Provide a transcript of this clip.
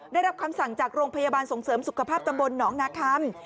ได้รับคำสั่งจากโรงพยาบาลส่งเสริมสุขภาพตำบลหนองนาคัม